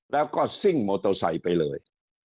แล้วก็ซิ่งมอเตอร์ไซค์ไปเลย